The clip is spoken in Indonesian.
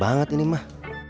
banget ini mah